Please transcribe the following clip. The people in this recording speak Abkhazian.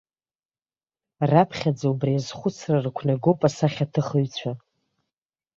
Раԥхьаӡа убри азхәыцра рықәнагоуп асахьаҭыхҩцәа.